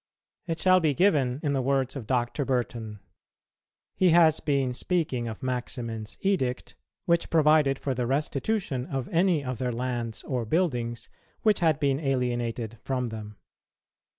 It shall be given in the words of Dr. Burton; he has been speaking of Maximin's edict, which provided for the restitution of any of their lands or buildings which had been alienated from them.